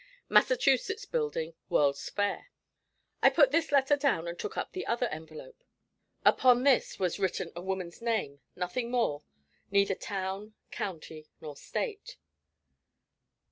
'Massachusetts Building, World's Fair.' I put this letter down and took up the other envelope. Upon this was written a woman's name, nothing more, neither town, county, nor state.